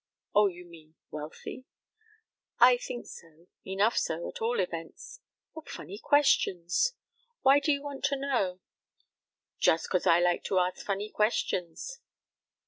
"Oh, you mean wealthy. I think so, enough so, at all events. What funny questions. Why do you want to know?" "Just 'cause I like to ask funny questions.